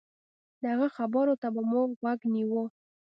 د هغه خبرو ته به مو غوږ نيوه.